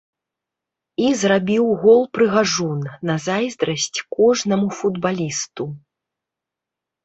І зрабіў гол-прыгажун, на зайздрасць кожнаму футбалісту.